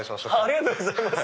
ありがとうございます。